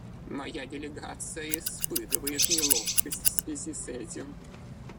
Моя делегация испытывает неловкость в связи с этим.